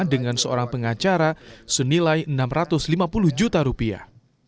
dengan seorang pengacara senilai enam ratus lima puluh juta rupiah